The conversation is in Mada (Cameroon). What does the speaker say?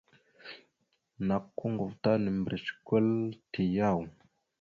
Nakw koŋgov ta nambrec kwal te yaw?